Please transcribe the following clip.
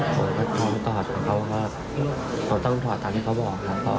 แล้วก็ต้องถอดแล้วเขาก็ว่าต้องต้องถอดตามที่เขาบอกครับ